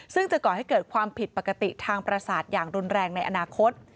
ซึ่งจะก่อให้เกิดความผิดปกติทางประสาทอย่างรุนแรงในอนาคต